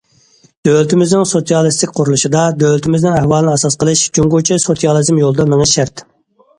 دۆلىتىمىزنىڭ سوتسىيالىستىك قۇرۇلۇشىدا دۆلىتىمىزنىڭ ئەھۋالىنى ئاساس قىلىش، جۇڭگوچە سوتسىيالىزم يولىدا مېڭىش شەرت.